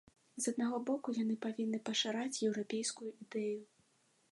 З аднаго боку, яны павінны пашыраць еўрапейскую ідэю.